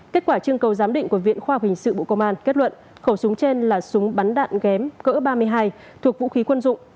kết quả chương cầu giám định của viện khoa học hình sự bộ công an kết luận khẩu súng trên là súng bắn đạn ghém cỡ ba mươi hai thuộc vũ khí quân dụng